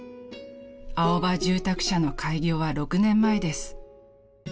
［アオバ住宅社の開業は６年前です］